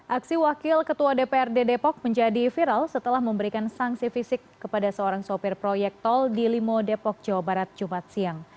aksi wakil ketua dprd depok menjadi viral setelah memberikan sanksi fisik kepada seorang sopir proyek tol di limo depok jawa barat jumat siang